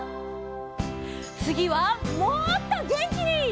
つぎはもっとげんきに！